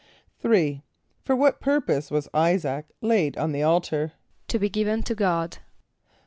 = =3.= For what purpose was [=I]´[s+]aac laid on the altar? =To be given to God.